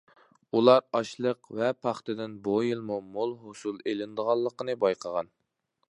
ئۇلار ئاشلىق ۋە پاختىدىن بۇ يىلمۇ مول ھوسۇل ئېلىنىدىغانلىقىنى بايقىغان.